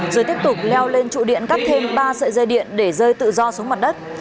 rồi tiếp tục leo lên trụ điện cắt thêm ba sợi dây điện để rơi tự do xuống mặt đất